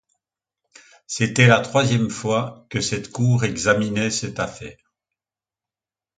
C'était la troisième fois que cette cour examinait cette affaire.